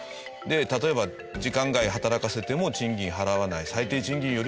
で例えば時間外に働かせても賃金を払わない。